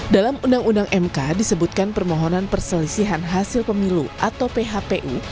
dalam undang undang mk disebutkan permohonan perselisihan hasil pemilu atau phpu